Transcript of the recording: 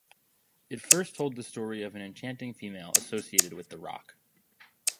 It first told the story of an enchanting female associated with the rock.